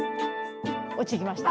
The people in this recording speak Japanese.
落ちてきました。